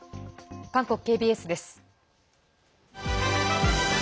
韓国ＫＢＳです。